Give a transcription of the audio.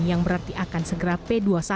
yang berarti akan segera p dua puluh satu